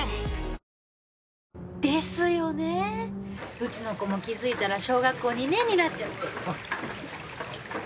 うちの子も気づいたら小学校２年になっちゃって。